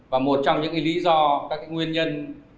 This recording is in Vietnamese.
và một trong những lý do các nguyên nhân